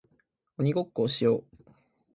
鬼ごっこをしよう